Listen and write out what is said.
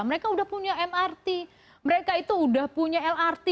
mereka udah punya mrt mereka itu udah punya lrt